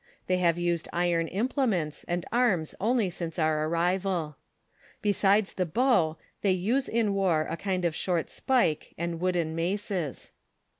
They have used iron implements and arms only since our arrival. Besides the bow, they use in war a kind of short pike, and wooden maces.